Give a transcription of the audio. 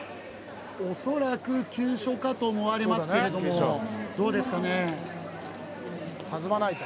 恐らく急所かと思われますけれどもどうですかね